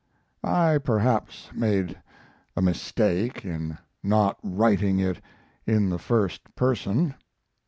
I perhaps made a mistake in not writing it in the first person.